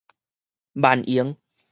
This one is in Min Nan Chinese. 萬榮